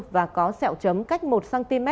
và có sẹo chấm cách một cm